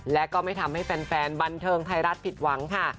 และก็ไม่ทำให้แฟนบันเทิงไทยรัฐผิดหวังค่ะ